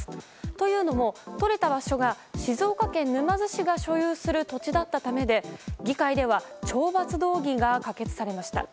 というのも、とれた場所が静岡県沼津市が所有する土地だったためで議会では懲罰動議が可決されました。